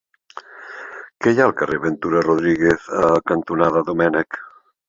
Què hi ha al carrer Ventura Rodríguez cantonada Domènech?